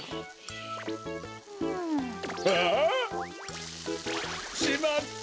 あっ！しまった！